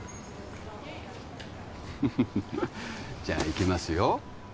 フフフじゃ行きますよ